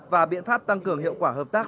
và biện pháp tăng cường hiệu quả hợp tác